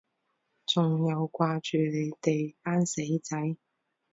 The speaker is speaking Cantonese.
仲有掛住你哋班死仔